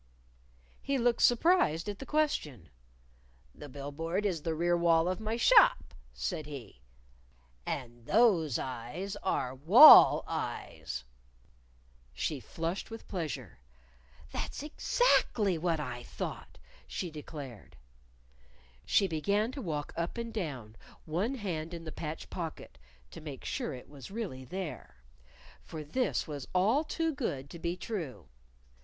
He looked surprised at the question. "The bill board is the rear wall of my shop," said he. "And those eyes are wall eyes." She flushed with pleasure. "That's exactly what I thought!" she declared. She began to walk up and down, one hand in the patch pocket to make sure it was really there. For this was all too good to be true.